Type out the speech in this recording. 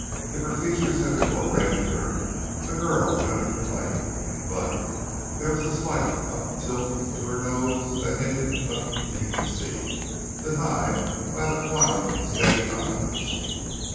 If her features had been more regular, the girl would have been plain; but there was a slight uptilt to her nose that hinted of piquancy, denied by the quiet, steady eyes.